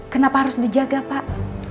kenapa harus dijaga pak